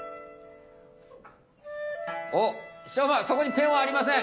そこにペンはありません。